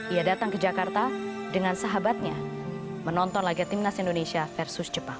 ia datang ke jakarta dengan sahabatnya menonton laga timnas indonesia versus jepang